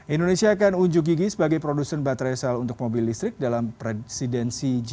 indonesia akan unjuk gigi sebagai produsen baterai sel untuk mobil listrik dalam presidensi g dua puluh